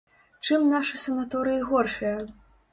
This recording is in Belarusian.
Чым нашы санаторыі горшыя?